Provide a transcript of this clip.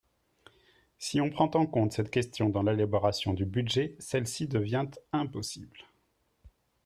Si on prend en compte cette question dans l’élaboration du budget, celle-ci devient impossible.